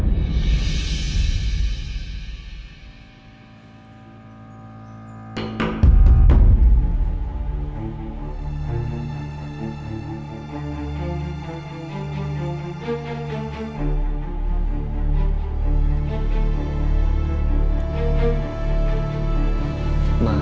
untuk lebih banyak video terbaru